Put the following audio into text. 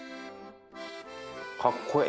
かっこええ